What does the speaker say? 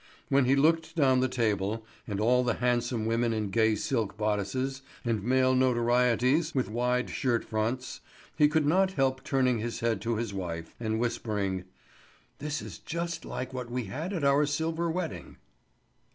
When he looked down the table, and all the handsome women in gay silk bodices, and male notorieties with wide shirt fronts, he could not help turning his head to his wife and whispering: "This is just like what we had at our silver wedding."